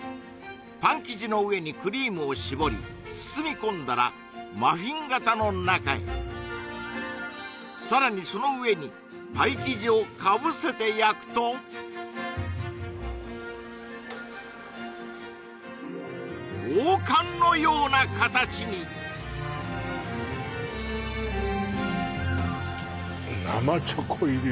パン生地の上にクリームをしぼり包み込んだらマフィン型の中へさらにその上にパイ生地をかぶせて焼くと王冠のような形に生チョコ入り？